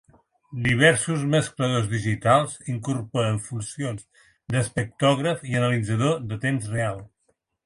Diversos mescladors digitals incorporen funcions d'espectrògraf i analitzador de temps real.